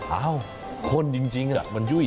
เอ้าคนจริงมันจุ้ย